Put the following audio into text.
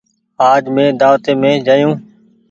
آج مين دآوتي مين جآيو۔